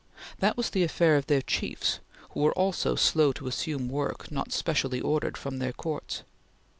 That was the affair of their chiefs, who were also slow to assume work not specially ordered from their Courts.